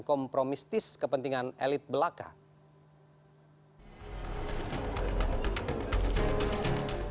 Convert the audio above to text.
kompromistis kepentingan elit belakang